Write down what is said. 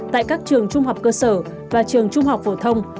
tại các trường trung học cơ sở và trường trung học phổ thông